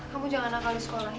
kamu jangan angkal di sekolah ya